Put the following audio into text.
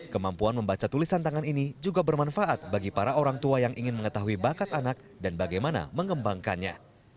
kemampuan membaca tulisan tangan ini juga bermanfaat bagi para orang tua yang ingin mengetahui bakat anak dan bagaimana mengembangkannya